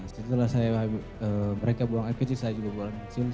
setelah mereka buang air kecil saya juga buang ke sini